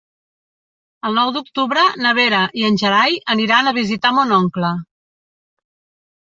El nou d'octubre na Vera i en Gerai aniran a visitar mon oncle.